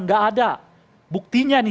belum ada buktinya nih